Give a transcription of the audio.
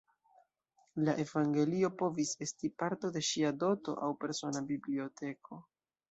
La Evangelio povis esti parto de ŝia doto aŭ persona biblioteko.